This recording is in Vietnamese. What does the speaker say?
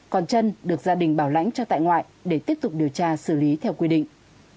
còn chân được gia đình bảo lãnh cho tại ngoại để tiếp tục điều tra xử lý theo quy định